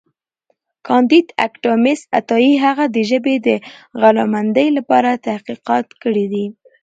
کانديد اکاډميسن عطايي هغه د ژبې د غنامندۍ لپاره تحقیقات کړي دي.